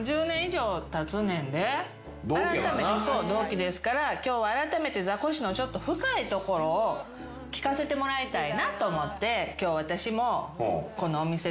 そう同期ですから今日はあらためてザコシの深いところを聞かせてもらいたいなと思って今日私も。